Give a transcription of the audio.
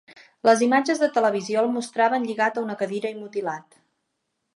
Les imatges de televisió el mostraven lligat a una cadira i mutilat.